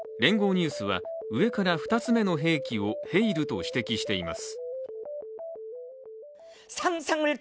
ニュースは上から２つ目の兵器を「ヘイル」と指摘しています。